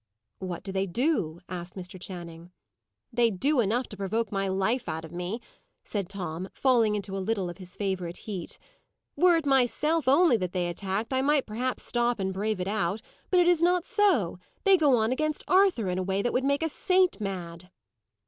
"What do they do?" asked Mr. Channing. "They do enough to provoke my life out of me," said Tom, falling into a little of his favourite heat. "Were it myself only that they attacked, I might perhaps stop and brave it out; but it is not so. They go on against Arthur in a way that would make a saint mad."